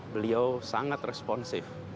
beliau sangat responsif